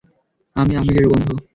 আমি আমিরের বন্ধু।